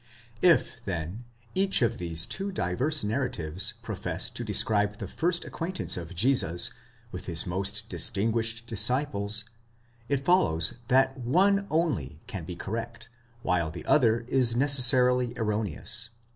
If, then, each of these two diverse narratives professes to describe the first acquaintance of Jesus with his most distinguished disciples, it follows that one _ only can be correct, while the other is necessarily erroneous.